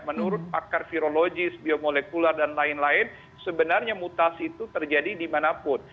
menurut pakar virologis biomolekuler dan lain lain sebenarnya mutasi itu terjadi dimanapun